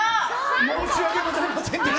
申し訳ございませんでした。